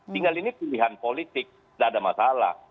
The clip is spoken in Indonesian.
tinggal ini pilihan politik tidak ada masalah